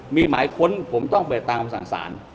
มีหมายค้นผมต้องไปตามคำสั่งสาร